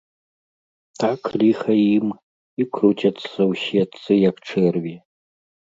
Так, ліха ім, і круцяцца ў сетцы, як чэрві.